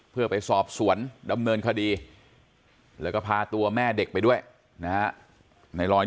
เพื่อไปสอบสวนดำเนินคดีแล้วก็พาตัวแม่เด็กไปด้วยนะฮะในรอย